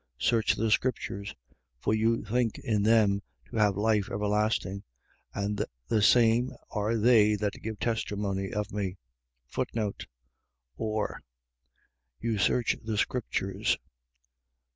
5:39. Search the scriptures: for you think in them to have life everlasting. And the same are they that give testimony of me. Or. . .You search the scriptures.